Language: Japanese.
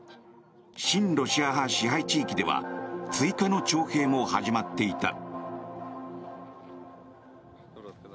親ロシア派支配地域では追加の徴兵も始まっていた。